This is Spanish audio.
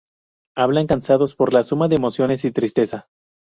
Hablan cansados por la suma de emociones y tristeza.